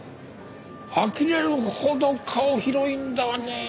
あきれるほど顔広いんだねえ。